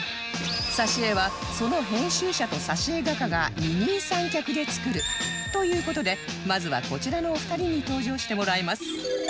挿絵はその編集者と挿絵画家が二人三脚で作るという事でまずはこちらのお二人に登場してもらいます